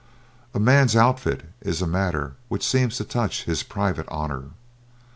A man's outfit is a matter which seems to touch his private honor.